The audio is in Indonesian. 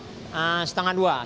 setengah dua setengah dua siang